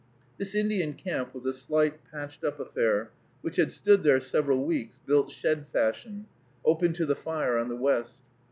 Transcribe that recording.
This Indian camp was a slight, patched up affair, which had stood there several weeks, built shed fashion, open to the fire on the west.